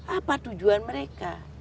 apa tujuan mereka